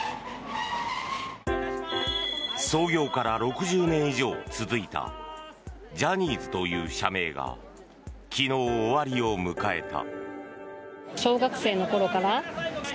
創業から６０年以上続いたジャニーズという社名が昨日、終わりを迎えた。